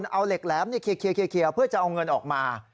เอาเหล็กแหลมเคลียร์เพื่อจะเอาเงินออกมา